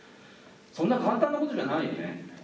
そんな簡単なことじゃないよね。